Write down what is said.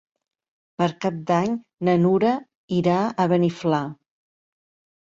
Per Cap d'Any na Nura irà a Beniflà.